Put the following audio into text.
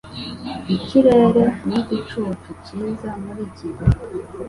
Ikirere ni igicucu cyiza muri iki gihe.